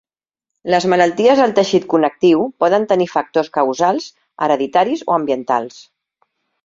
Les malalties del teixit connectiu poden tenir factors causals hereditaris o ambientals.